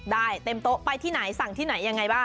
ได้เต็มโต๊ะไปที่ไหนสั่งที่ไหนยังไงบ้าง